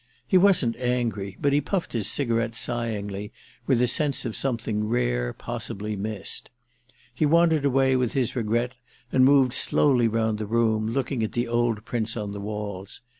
He wasn't angry, but he puffed his cigarette sighingly, with the sense of something rare possibly missed. He wandered away with his regret and moved slowly round the room, looking at the old prints on the walls.